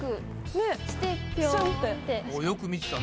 よく見てたね。